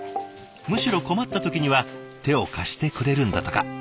むしろ困った時には手を貸してくれるんだとか。